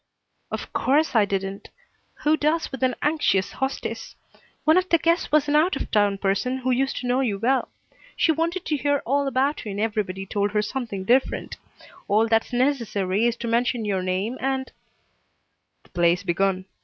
"Of course I didn't. Who does with an anxious hostess? One of the guests was an out of town person who used to know you well. She wanted to hear all about you and everybody told her something different. All that's necessary is to mention your name and " "The play's begun.